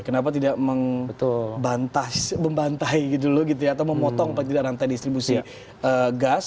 kenapa tidak membantai gitu dulu gitu ya atau memotong perantian rantai distribusi gas